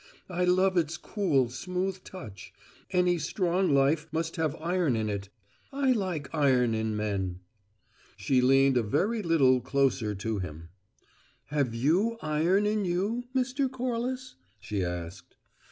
"I love its cool, smooth touch. Any strong life must have iron in it. I like iron in men." She leaned a very little closer to him. "Have you iron in you, Mr. Corliss?" she asked.